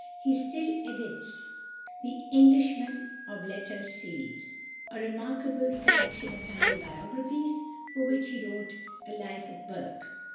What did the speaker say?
He still edits the "English Men of Letters Series," a remarkable collection of handy biographies, for which he wrote a "Life of Burke."